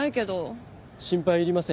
心配いりません。